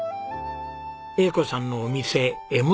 栄子さんのお店笑夢